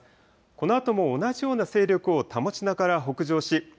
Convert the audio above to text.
このあとも同じような勢力を保ちながら北上し